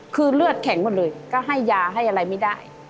คือเลือดแข็งหมดเลยก็ให้ยาให้อะไรไม่ได้